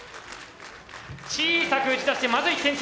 小さく打ち出してまず１点先制